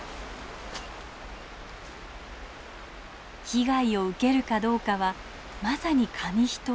被害を受けるかどうかはまさに紙一重。